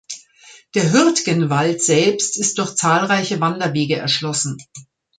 Der Hürtgenwald selbst ist durch zahlreiche Wanderwege erschlossen.